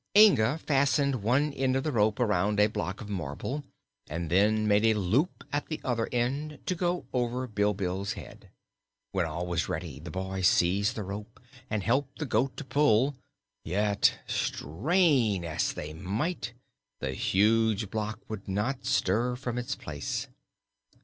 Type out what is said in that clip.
Inga fastened one end of the rope around a block of marble and then made a loop at the other end to go over Bilbil's head. When all was ready the boy seized the rope and helped the goat to pull; yet, strain as they might, the huge block would not stir from its place.